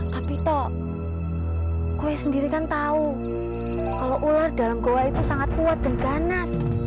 tapi toh gue sendiri kan tahu kalau ular dalam goa itu sangat kuat dan ganas